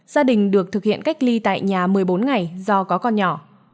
gia đình được thực hiện cách ly tại nhà một mươi bốn ngày do có con nhỏ